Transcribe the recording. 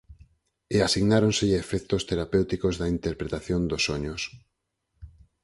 E asignáronselle efectos terapéuticos da interpretación dos soños.